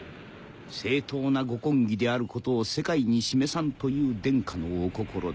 正統なご婚儀であることを世界に示さんという殿下のお心だ。